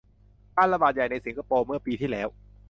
การระบาดใหญ่ในสิงคโปร์ เมื่อปีที่แล้ว